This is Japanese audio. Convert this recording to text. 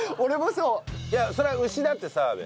いやそれは牛だって澤部。